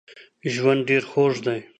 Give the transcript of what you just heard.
ژوند ډېر خوږ دی